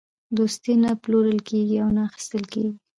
دوستي نه پلورل کېږي او نه اخیستل کېږي.